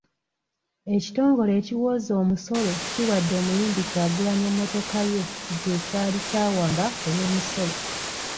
Ekitongole ekiwooza omusolo kiwadde omuyimbi Kyagulanyi emmotoka ye gye kyali kyawamba olw’omusolo.